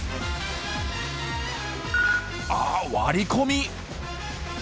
あっ割り込み！